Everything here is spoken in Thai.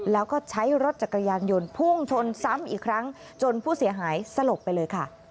แล้วก็ใช้รถจักรยานยนต์พุ่งชนซ้ำอีกครั้งจนผู้เสียหายสลบไปเลยค่ะ